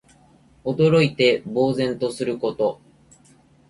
驚いて呆然とすること。